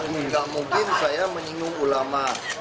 tidak mungkin saya menyinggung ulama